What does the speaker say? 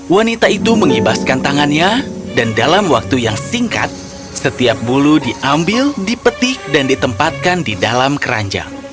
wanita itu mengibaskan tangannya dan dalam waktu yang singkat setiap bulu diambil dipetik dan ditempatkan di dalam keranjang